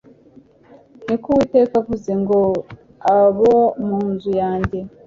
ni ko uwiteka avuze. ngo abo munzu yanjye